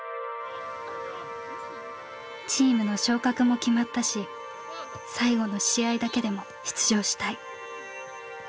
「チームの昇格も決まったし最後の試合だけでも出場したい。